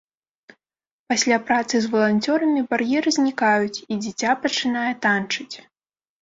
Пасля працы з валанцёрамі бар'еры знікаюць, і дзіця пачынае танчыць.